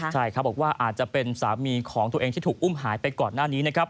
ใช่ครับบอกว่าอาจจะเป็นสามีของตัวเองที่ถูกอุ้มหายไปก่อนหน้านี้นะครับ